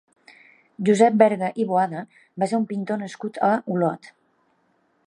Josep Berga i Boada va ser un pintor nascut a Olot.